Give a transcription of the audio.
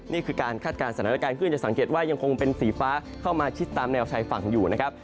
นี่คือการคาดการณ์สถานการณ์ขึ้นจะสังเกตว่ายังคงเป็นสีฟ้าเข้ามาชิดตามแนวชายฝั่งอยู่นะครับ